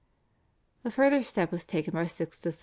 A further step was taken by Sixtus IV.